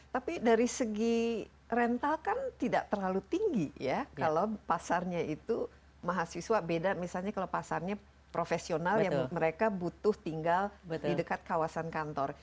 tapi dari segi rental kan tidak terlalu tinggi ya kalau pasarnya itu mahasiswa beda misalnya kalau pasarnya profesional yang mereka butuh tinggal di dekat kawasan kantor